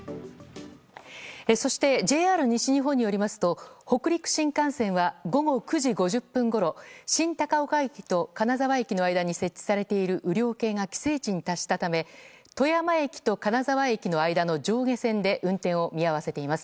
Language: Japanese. そしてＪＲ西日本によりますと北陸新幹線は午後９時５０分ごろ新高岡駅と金沢駅の間に設置されている雨量計が規制値に達したため富山駅と金沢駅の間の上下線で運転を見合わせています。